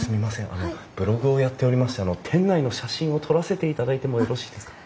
あのブログをやっておりまして店内の写真を撮らせていただいてもよろしいですか？